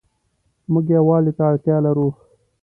موږ يووالي ته اړتيا لرو